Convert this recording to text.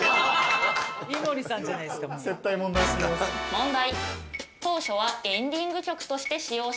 問題。